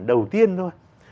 đầu tiên thôi